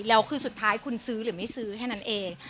แล้วคือสุดท้ายคุณซื้อหรือไม่ซื้อแค่นั้นเอง